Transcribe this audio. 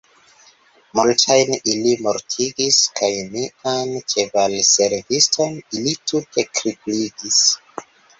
Multajn ili mortigis, kaj mian ĉevalserviston ili tute kripligis.